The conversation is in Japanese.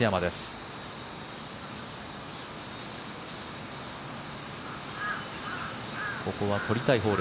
ここは取りたいホール。